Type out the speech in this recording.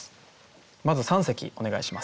まず三席お願いします。